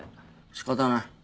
仕方ない。